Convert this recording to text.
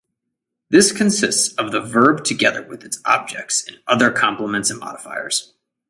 This consists of the verb together with its objects and other complements and modifiers.